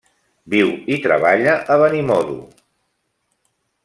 Viu i treballa a Benimodo.